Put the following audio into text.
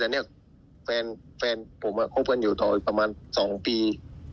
แต่เนี่ยแฟนผมคบกันอยู่ต่ออีกประมาณ๒ปี